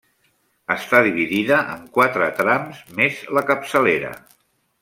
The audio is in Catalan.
Està dividida en quatre trams, més la capçalera.